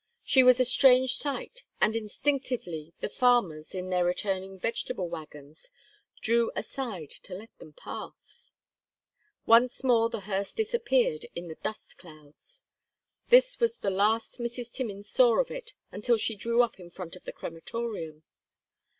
It was a strange sight, and instinctively the farmers, in their returning vegetable wagons, drew aside to let them pass. Once more the hearse disappeared in the dust clouds. This was the last Mrs. Timmins saw of it until she drew up in front of the crematorium.